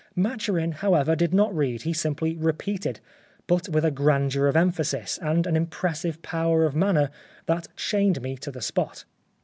Maturin, however, did not read, he simply repeated ; but with a grandeur of emphasis, and an impressive power of manner that chained me to the spot.